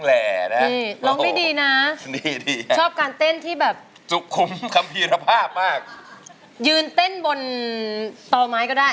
เฮ้ยลองดีนะชอบการเต้นที่แบบยืนเต้นบนตอไม้ก็ได้